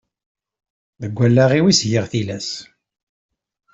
Deg allaɣ-iw i s-giɣ tilas.